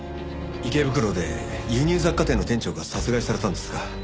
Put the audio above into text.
池袋で輸入雑貨店の店長が殺害されたんですが。